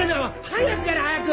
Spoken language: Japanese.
早くやれ！早く！